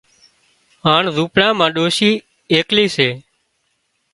هانَ زونپڙا مان ڏوشِي ايڪلي هشي